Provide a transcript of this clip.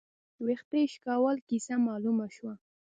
، وېښته يې شکول، کيسه مالومه شوه